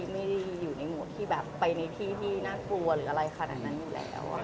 ไม่ได้อยู่ในหมวดที่แบบไปในที่ที่น่ากลัวหรืออะไรขนาดนั้นอยู่แล้ว